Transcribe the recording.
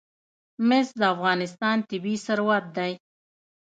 مس د افغانستان طبعي ثروت دی.